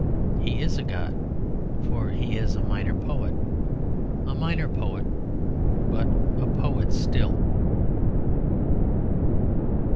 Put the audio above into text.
He is a god, for he is a minor poet; a minor poet, but a poet still.